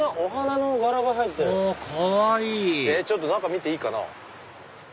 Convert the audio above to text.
ちょっと中見ていいかな。